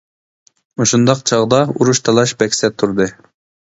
مۇشۇنداق چاغدا ئۇرۇش-تالاش بەك سەت تۇردى.